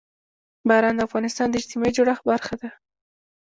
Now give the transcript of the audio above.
باران د افغانستان د اجتماعي جوړښت برخه ده.